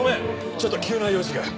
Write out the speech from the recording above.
ちょっと急な用事が。